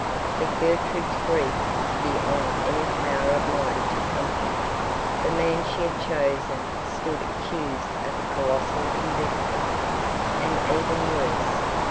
But Gertrude's grief was beyond any power of mine to comfort; the man she had chosen stood accused of a colossal embezzlement—and even worse.